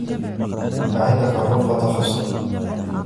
أعندك غرفة تخصك ؟